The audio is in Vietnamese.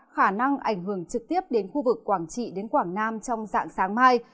khả năng ảnh hưởng trực tiếp đến khu vực quảng trị đến quảng nam trong dạng sáng mai